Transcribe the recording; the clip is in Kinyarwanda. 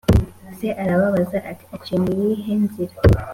Se arababaza ati “Aciye mu yihe nzira?”